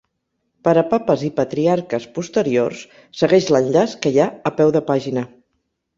Per a Papes i Patriarques posteriors, segueix l'enllaç que hi ha a peu de pàgina.